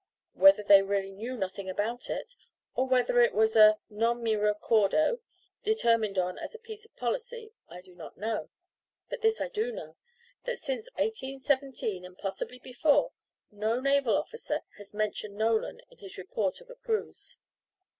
Whether they really knew nothing about it, or whether it was a "Non mi ricordo," determined on as a piece of policy I do not know. But this I do know, that since 1817, and possibly before, no naval officer has mentioned Nolan in his report of a cruise.